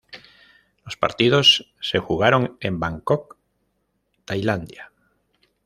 Los partidos se jugaron en Bangkok, Tailandia.